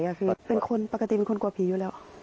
ก็คือเป็นคนปกติเป็นคนกลัวผีอยู่แล้ว